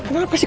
ma kenapa sih